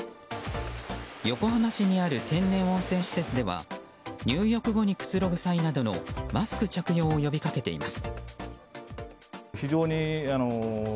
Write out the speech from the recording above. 横浜市にある天然温泉施設では入浴後にくつろぐ際などのマスク着用を呼び掛けています。